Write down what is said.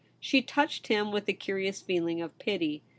She touched him with a curious feeling of pity.